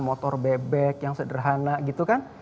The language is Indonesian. motor bebek yang sederhana gitu kan